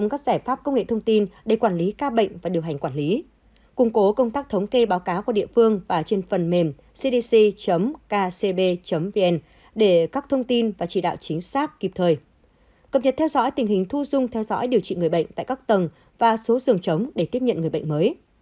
cập nhật theo dõi tình hình thu dung theo dõi điều trị người bệnh tại các tầng và số giường chống để tiếp nhận người bệnh mới